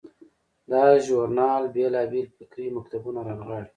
دا ژورنال بیلابیل فکري مکتبونه رانغاړي.